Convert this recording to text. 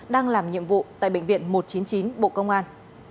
đang làm nhiệm vụ tại bệnh viện một trăm chín mươi chín bộ công an